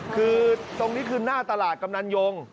คือตรงนี้คือหน้าตลาดกำนันยง